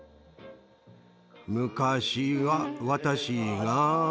昔は私が